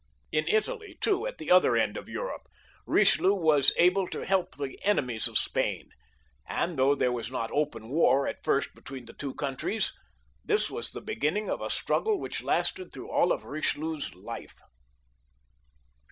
In Italy too, at the other end of Europe, Bichelieu was able to help the enemies of Spain, and though there was not open war at first between the two countries, this was the beginning of a struggle which lasted all through Eichelieu's life.